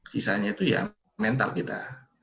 sisanya itu ya mental kita